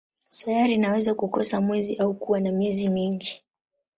Sayari inaweza kukosa mwezi au kuwa na miezi mingi.